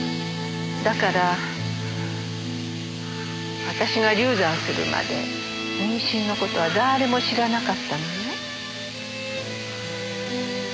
だから私が流産するまで妊娠の事は誰も知らなかったのよ。